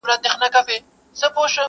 ووایه نسیمه نن سبا ارغوان څه ویل؛؛!